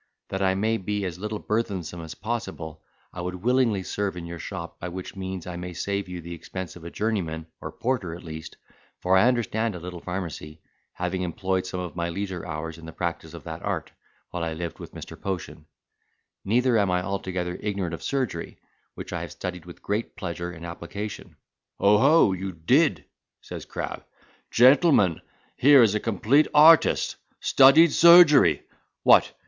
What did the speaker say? That I may be as little burthensome as possible, I would willingly serve in your shop, by which means I may save you the expense of a journeyman, or porter at least, for I understand a little pharmacy, having employed some of my leisure hours in the practice of that art, while I lived with Mr. Potion; neither am I altogether ignorant of surgery, which I have studied with great pleasure and application."—"Oho! you did," says Crab. "Gentlemen, here is a complete artist! Studied surgery! What?